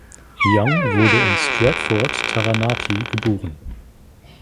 Young wurde in Stratford, Taranaki, geboren.